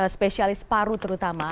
spesialis paru terutama